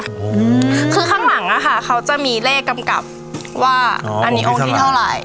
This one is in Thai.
อืมคือข้างหลังอ่ะค่ะเขาจะมีเลขกำกับว่าอันนี้องค์ที่เท่าไหร่